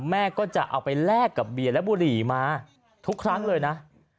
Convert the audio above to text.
แม่ก็จะเอาไปแลกกับเบียร์และบุหรี่มาทุกครั้งเลยนะ